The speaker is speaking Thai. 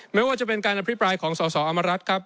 ไม่ว่าจะเป็นการอภิปรายของสอสออมรัฐครับ